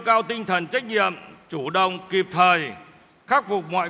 cao tinh thần trách nhiệm chủ động kịp thời khắc phục mọi